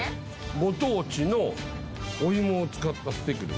ご当地のお芋を使ったスティック。